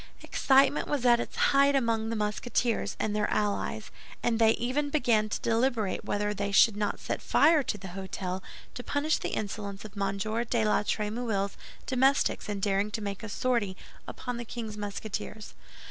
Excitement was at its height among the Musketeers and their allies, and they even began to deliberate whether they should not set fire to the hôtel to punish the insolence of M. de la Trémouille's domestics in daring to make a sortie upon the king's Musketeers.